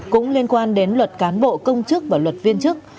cũng liên quan đến luật cán bộ công chức và luật viên chức